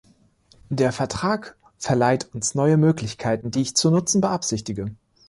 Der Vertrag verleiht uns neue Möglichkeiten, die ich zu nutzen beabsichtige.